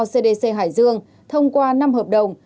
cdc hải dương thông qua năm hợp đồng